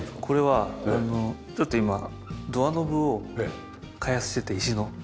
これはちょっと今ドアノブを開発してて石の。